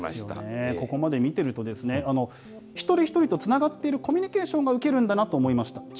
ここまで見てるとですね、一人一人とつながっているコミュニケーションが受けるんだなと思いました。